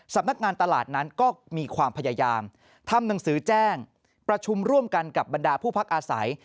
สำนักงานตลาดนั้นก็มีความพยายามทำหนังสือแจ้งประชุมร่วมกันกับบรรดาผู้พักอาศัย